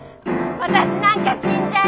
ママなんか死んじゃえ！